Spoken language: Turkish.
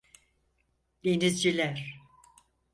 Denizciler!